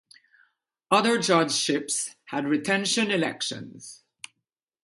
Other judgeships had retention elections.